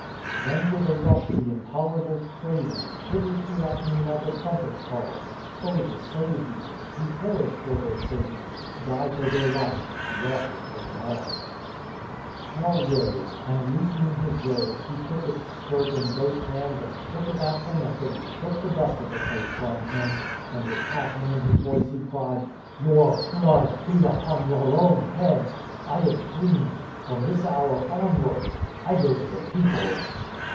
" Then with a rush the intolerable craving Shivers throughout me like a trumpet call, — Oh to save these ! to perish for their saving, Die for their life, be offered for them all !"* Paul rose, and loosening his robe he took its skirt in both hands and shook it at them as though he shook the dust of the place from him, and with passion in his voice he cried :" Your blood be upon your own heads. I am clean : from this hour onward I go to the peoples."